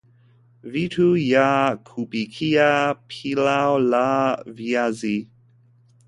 Vitu vya kupikia pilau la viazi